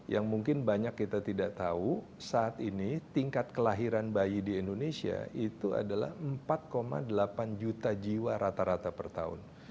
yang mungkin banyak kita tidak tahu saat ini tingkat kelahiran bayi di indonesia itu adalah empat delapan juta jiwa rata rata per tahun